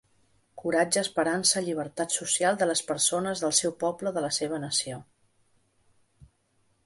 Coratge, esperança, llibertat social, de les persones, del seu poble de la seva nació.